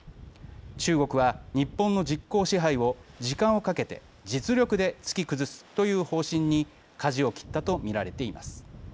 中国は、日本の実効支配を時間をかけて実力で突き崩すという方針にかじを切ったと見られています。